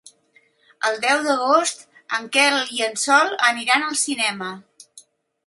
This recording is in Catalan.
El deu d'agost en Quel i en Sol aniran al cinema.